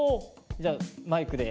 じゃあマイクで。